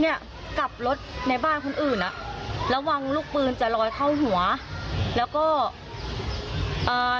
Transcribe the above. เนี้ยกลับรถในบ้านคนอื่นอ่ะระวังลูกปืนจะลอยเข้าหัวแล้วก็อ่า